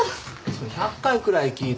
それ１００回くらい聞いた。